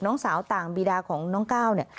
น้องสาวต่างบิดาของน้องก้าว